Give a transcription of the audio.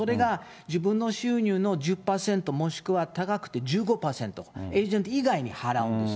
自分の収入の１０％、もしくは高くて１５％、エージェント以外に払うんです。